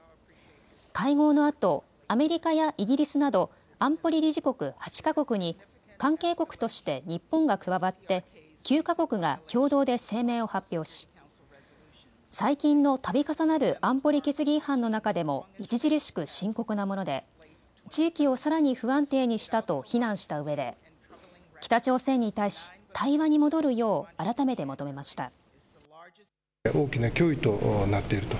会合のあとアメリカやイギリスなど安保理理事国８か国に関係国として日本が加わって９か国が共同で声明を発表し最近のたび重なる安保理決議違反の中でも著しく深刻なもので地域をさらに不安定にしたと非難したうえで北朝鮮に対し、対話に戻るよう、改めて求めました。